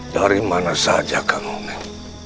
dari mana saja kang umen